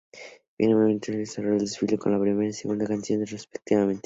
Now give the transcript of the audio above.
Finalmente abrió y cerró el desfile con la primera y segunda canción respectivamente.